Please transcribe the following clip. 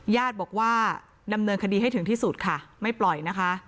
ญาติบอกว่าดำเนินคดีให้ถึงที่สุดค่ะไม่ปล่อยนะคะ